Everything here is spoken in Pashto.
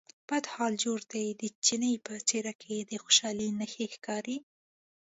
بد حال جوړ دی، د چیني په څېره کې د خوشالۍ نښې ښکارې.